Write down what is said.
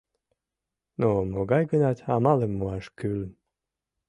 Но могай-гынат амалым муаш кӱлын.